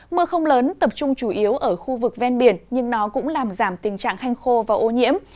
mưa không lớn tập trung chủ yếu ở khu vực ven biển nhưng nó cũng làm giảm tình trạng hanh khô và ô nhiễm